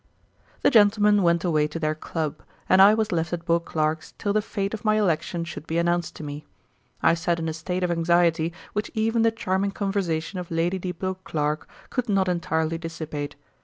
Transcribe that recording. The gentlemen went away to their club, and I was left at Beauclerk's till the fate of my election should be announced to me. I sat in a state of anxiety which even the charming conversation of Lady Di Beauclerk could not entirely dissipate.